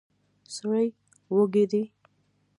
سړی وږی دی.